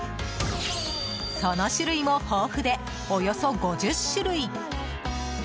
その種類も豊富でおよそ５０種類。